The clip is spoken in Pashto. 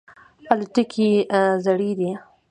الوتکې یې زړې دي.